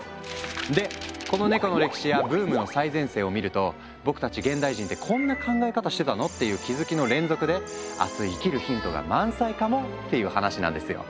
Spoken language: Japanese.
でこのネコの歴史やブームの最前線を見ると僕たち現代人って「こんな考え方してたの？」っていう気づきの連続で明日生きるヒントが満載かもっていう話なんですよ。